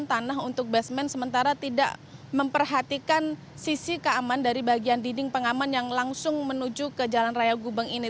tanah untuk basement sementara tidak memperhatikan sisi keamanan dari bagian dinding pengaman yang langsung menuju ke jalan raya gubeng ini